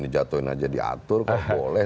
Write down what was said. dijatuhin aja diatur kan boleh